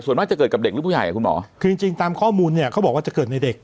ส่วนมากจะเกิดกับเด็กหรือผู้ใหญ่อ่ะคุณหมอคือจริงจริงตามข้อมูลเนี่ยเขาบอกว่าจะเกิดในเด็ก